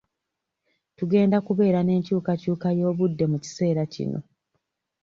Tugenda kubeera n'enkyukakyuka y'obudde mu kiseera kino.